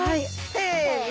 せの。